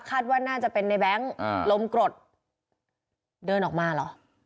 คาดว่าน่าจะเป็นในแบงค์ลมกรดเดินออกมาเหรอ